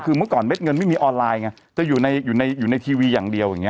คือเมื่อก่อนเม็ดเงินไม่มีออนไลน์ไงจะอยู่ในอยู่ในทีวีอย่างเดียวอย่างนี้